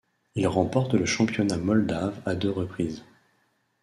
Il remporte le championnat moldave à deux reprises.